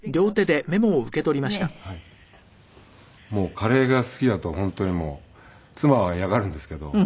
カレーが好きだと本当にもう妻は嫌がるんですけど。